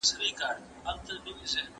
موږ تر لسو پوري حساب کوو.